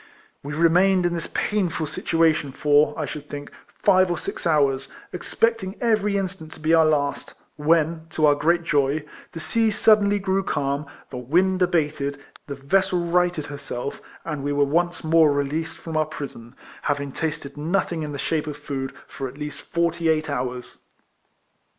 We remained in this painful situation for, I should think, five or six hours, expecting every instant to be our last, when, to our great joy, the sea suddenly grew calm, the wind abated, the vessel righted herself, and we were once more released from our prison, having tasted nothing in the shape of food for at least forty eight hours.